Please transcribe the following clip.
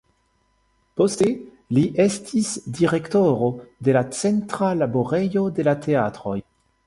Poste li estis direktoro de la Centra Laborejo de la Teatroj.